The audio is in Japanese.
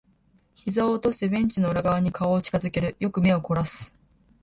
膝を落としてベンチの裏側に顔を近づける。よく目を凝らす。